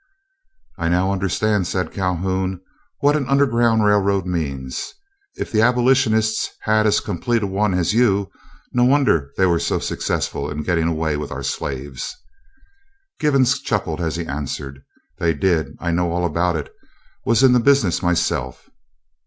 "I now understand," said Calhoun, "what an underground railroad means. If the Abolitionists had as complete a one as you, no wonder they were so successful in getting away with our slaves." Givens chuckled as he answered: "They did, I know all about it; was in the business myself."